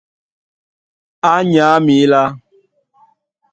Á nyǎ mǐlá.